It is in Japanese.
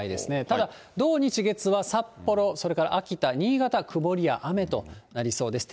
ただ土、日、月は札幌、それから秋田、新潟、曇りや雨となりそうです。